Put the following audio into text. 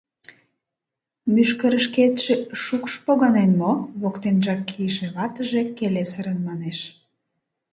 Мӱшкырышкетше шукш погынен мо? — воктенжак кийыше ватыже келесырын манеш.